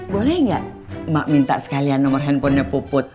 boleh nggak minta sekalian nomor handphonenya puput